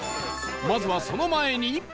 まずはその前に